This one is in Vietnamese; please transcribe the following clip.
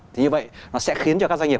thì như vậy nó sẽ khiến cho các doanh nghiệp